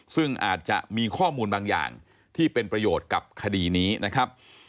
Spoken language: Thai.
ซึ่งอาจจะมีข้อมูลบางอย่างที่เป็นประโยชน์กับคดีนี้นะครับ